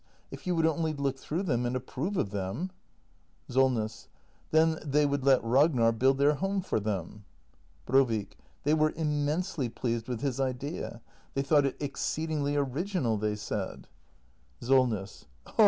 If you would only look through them and ap prove of them Solness. Then they would let Ragnar build their home for them ? Brovik. They were immensely pleased with his idea. They thought it exceedingly original, they said. 256 THE MASTER BUILDER [act i SOLNESS.